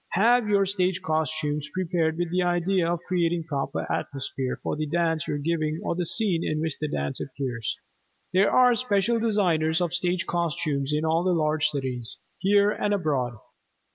Have your stage costumes prepared with the idea of creating proper atmosphere for the dance you are giving or the scene in which the dance appears. There are special designers of stage costumes in all the large cities, here and abroad.